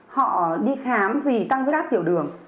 họ đi khám vì tăng huyết áp tiểu đường